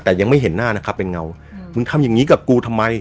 แต่ยังไม่เห็นหน้านะครับเป็นเงามึงทำอย่างงี้กับกูทำไม